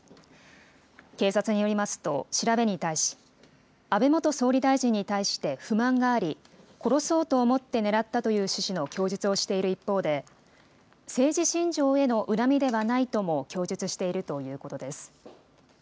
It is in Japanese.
警察によりますと、調べに対し、安倍元総理大臣に対して不満があり、殺そうと思って狙ったという趣旨の供述をしている一方で、政治信条への恨みではないとも供述しているということです。